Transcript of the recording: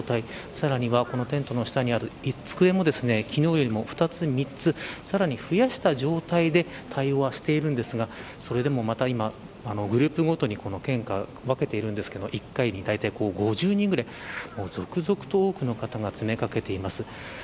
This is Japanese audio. さらにはこのテントの下にある机も昨日よりも２つ、３つさらに増やした状態で対応はしているんですがそれでもまた今、グループごとに献花を分けているんですが１回に、だいたい５０人ぐらい続々と多くの方が詰めかけています。